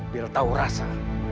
biar tahu rasa